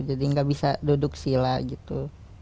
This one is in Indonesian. jadi nggak bisa duduk sila gitu